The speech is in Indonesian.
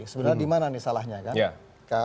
sebenarnya di mana salahnya